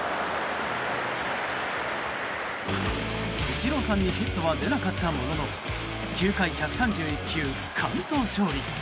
イチローさんにヒットは出なかったものの９回１３１球、完投勝利。